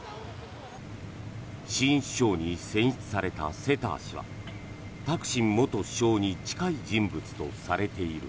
新首相に選出されたセター氏はタクシン元首相に近い人物とされている。